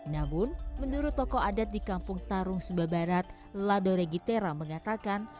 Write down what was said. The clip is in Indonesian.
namun menurut tokoh adat di kampung tarung sumba barat lado regi tera mengatakan